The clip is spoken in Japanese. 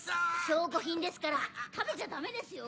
証拠品ですから食べちゃダメですよ！